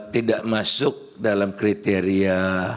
tidak masuk dalam kriteria